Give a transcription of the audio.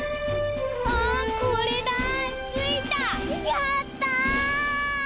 やった！